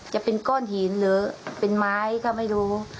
จะเป็นก้อนหินหรือเป็นไม้ก็ไม่รู้